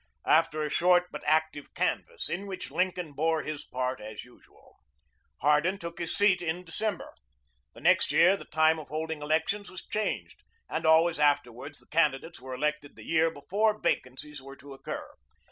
] after a short but active canvass, in which Lincoln bore his part as usual. Hardin took his seat in December. The next year the time of holding elections was changed, and always afterwards the candidates were elected the year before vacancies were to occur.